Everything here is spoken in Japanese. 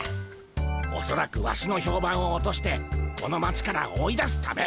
おそらくワシの評判を落としてこの町から追い出すため。